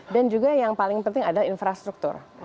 dan juga yang paling penting adalah infrastruktur